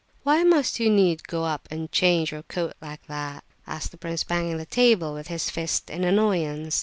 "H'm! why must you needs go up and change your coat like that?" asked the prince, banging the table with his fist, in annoyance.